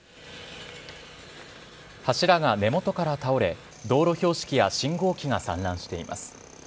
柱が根元から倒れ、道路標識や信号機が散乱しています。